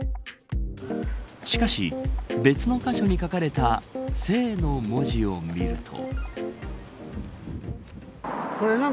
しかし別の箇所に書かれた生の文字を見ると。